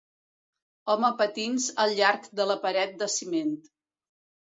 Home patins al llarg de la paret de ciment